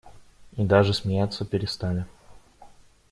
И даже смеяться перестали.